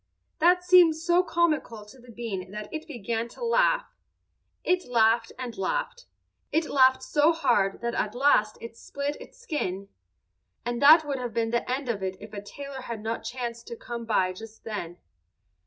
That seemed so comical to the bean that it began to laugh. It laughed and laughed; it laughed so hard that at last it split its skin, and that would have been the end of it if a tailor had not chanced to come by just then.